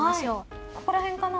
ここら辺かな？